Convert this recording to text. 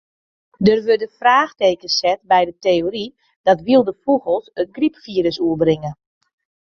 Der wurde fraachtekens set by de teory dat wylde fûgels it grypfirus oerbringe.